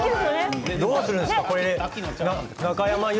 どうするんですか中山優